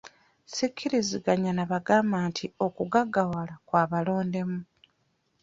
Sikkiriziganya na bagamba nti okugaggawala kwa balondemu.